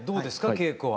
稽古は。